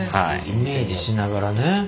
イメージしながらね。